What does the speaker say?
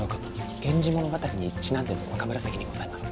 源氏物語にちなんでの若紫にございますか？